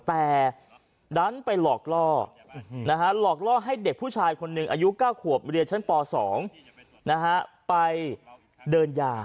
แต่ดันไปหลอกล่อหลอกล่อให้เด็กผู้ชายคนหนึ่งอายุ๙ขวบเรียนชั้นป๒ไปเดินยา